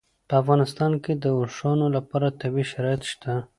په افغانستان کې د اوښانو لپاره طبیعي شرایط شته.